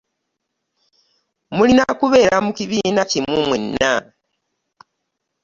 Mulina kubeera mu kibiina kimu mwenna.